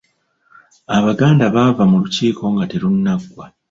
Abaganda baava mu lukiiko nga terunnaggwa.